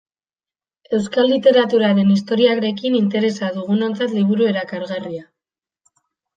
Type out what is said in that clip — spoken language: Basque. Euskal literaturaren historiarekin interesa dugunontzat liburu erakargarria.